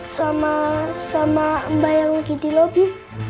sama sama mbak yang lagi di lobi